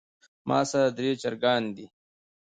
ماسره درې چرګان دي